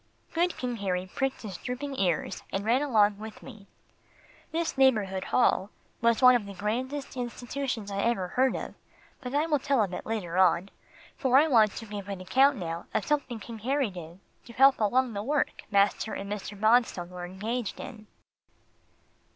Good King Harry pricked his drooping ears, and ran along with me. This Neighbourhood Hall was one of the grandest institutions I ever heard of, but I will tell of it later on, for I want to give an account now of something King Harry did to help along the work master and Mr. Bonstone were engaged in.